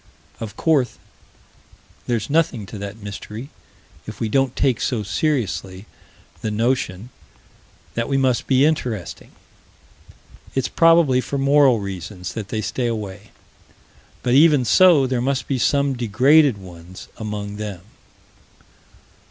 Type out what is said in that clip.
Of course there's nothing to that mystery if we don't take so seriously the notion that we must be interesting. It's probably for moral reasons that they stay away but even so, there must be some degraded ones among them.